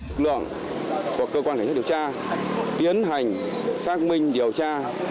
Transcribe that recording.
lực lượng của cơ quan hành thức điều tra tiến hành xác minh điều tra